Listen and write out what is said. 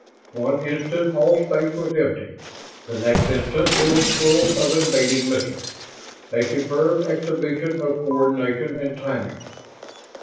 One instant all space was empty. The next instant it was full of invading missiles a superb exhibition of coordination and timing.